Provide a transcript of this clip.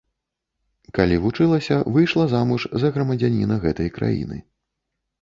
Калі вучылася, выйшла замуж за грамадзяніна гэтай краіны.